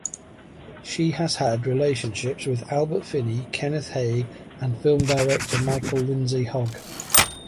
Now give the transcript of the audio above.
She has had relationships with Albert Finney, Kenneth Haigh, and film director Michael Lindsay-Hogg.